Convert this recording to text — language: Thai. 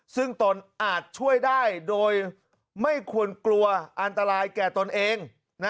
ซึ่งตนอาจช่วยได้โดยไม่ควรกลัวอันตรายแก่ตนเอง